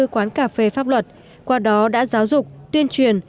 hai mươi bốn quán cà phê pháp luật qua đó đã giáo dục tuyên truyền